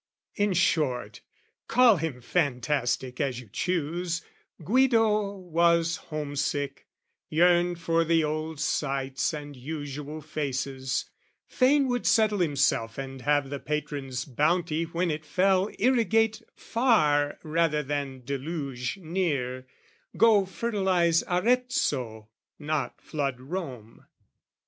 In short, call him fantastic as you choose, Guido was home sick, yearned for the old sights And usual faces, fain would settle himself And have the patron's bounty when it fell Irrigate far rather than deluge near, Go fertilise Arezzo, not flood Rome.